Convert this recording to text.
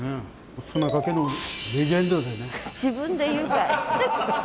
自分で言うかい！